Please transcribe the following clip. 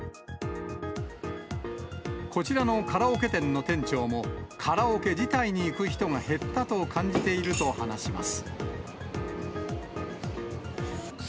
こちらのカラオケ店の店長も、カラオケ自体に行く人が減ったと感じていると話します。